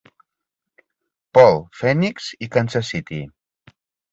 Paul, Phoenix i Kansas City.